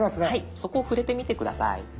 そこ触れてみて下さい。